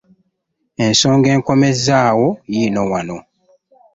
Ensonga enkomezzaawo yiino wano.